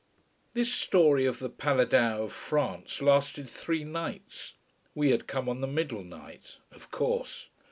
This story of the Paladins of France lasted three nights. We had come on the middle night of course.